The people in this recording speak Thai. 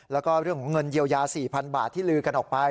แล้วก็เรื่องของเงินเยียวยา๔๐๐๐บาทที่ลือกันออกไป